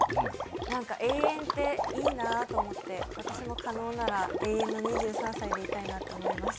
なんか、永遠っていいなと思って私も可能なら、永遠の２３歳でいたいなぁと思います。